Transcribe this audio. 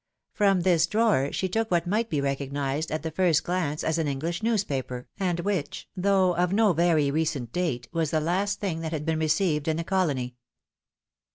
From this drawer she took what might be recognised at the first glance as an English newspaper, and which, though of no very recent date, was the last that had been received in the colony.